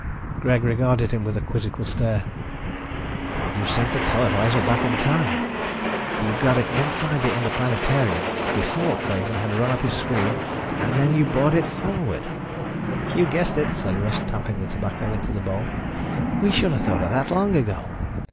Greg regarded him with a quizzical stare. "You sent the televisor back in time. You got it inside the Interplanetarian before Craven had run up his screen and then you brought it forward." "You guessed it," said Russ, tamping the tobacco into the bowl. "We should have thought of that long ago.